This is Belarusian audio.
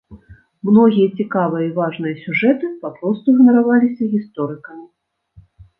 Многія цікавыя і важныя сюжэты папросту ігнараваліся гісторыкамі.